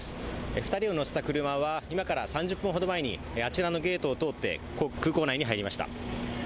２人を乗せた車は今から３０分ほど前にあちらのゲートを通って空港内に入りました。